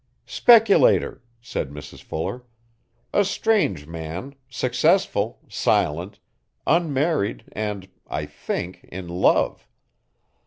'Speculator,' said Mrs Fuller. 'A strange man, successful, silent, unmarried and, I think, in love.